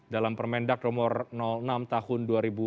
dalam permendak nomor enam tahun dua ribu dua puluh